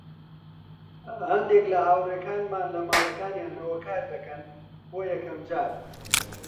هەندێک لە هاوڕێیانمان لە ماڵەکانیانەوە کاردەکەن، بۆ یەکەم جار.